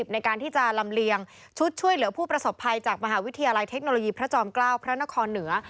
ในการที่จะลำเลียงชุดช่วยเหลือผู้ประสบภัยจากมหาวิทยาลัยเทคโนโลยีพระจอมเกล้าพระนครเหนือ